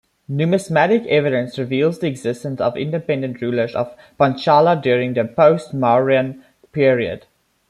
Numismatic evidence reveals the existence of independent rulers of Panchala during the post-Mauryan period.